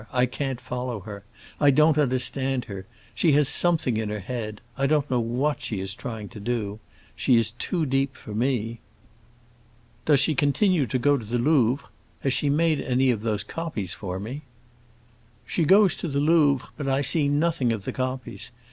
I can't follow her. I don't understand her. She has something in her head; I don't know what she is trying to do. She is too deep for me." "Does she continue to go to the Louvre? Has she made any of those copies for me?" "She goes to the Louvre, but I see nothing of the copies.